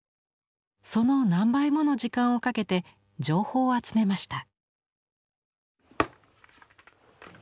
その何倍もの時間をかけて情報を集めました。